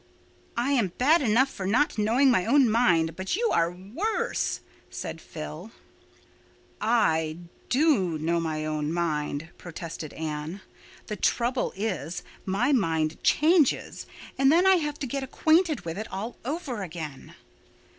"I am bad enough for not knowing my own mind, but you are worse," said Phil. "I do know my own mind," protested Anne. "The trouble is, my mind changes and then I have to get acquainted with it all over again."